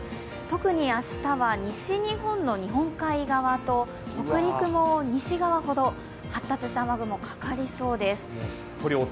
特に明日は西日本の日本海側と北陸も西側ほど発達した雨雲かかりそうです。